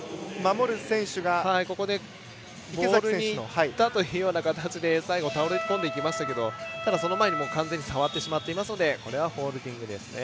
ボールにいったというような感じで最後、倒れ込んでいきましたけどその前に完全に触ってしまっていますのでホールディングですね。